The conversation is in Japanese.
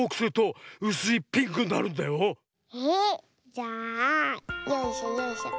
じゃあよいしょよいしょ。